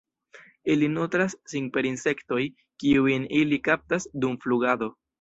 Ili nutras sin per insektoj, kiujn ili kaptas dum flugado.